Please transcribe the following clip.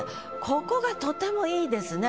ここがとても良いですね。